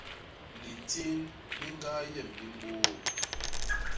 Litin li ñgaa yem li mbôô.